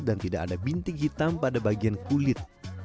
dan tidak ada bintik hitam pada bagian kulit